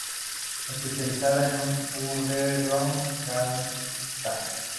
Especializada en underground gangsta.